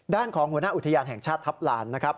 ด้านของหัวหน้าอุทยานแห่งชาติทัพลานนะครับ